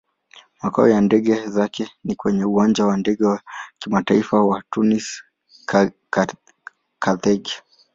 Makao ya ndege zake ni kwenye Uwanja wa Ndege wa Kimataifa wa Tunis-Carthage.